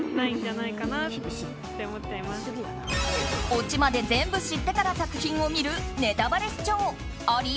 オチまで全部知ってから作品を見るネタバレ視聴あり？